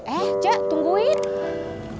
eh cik tungguin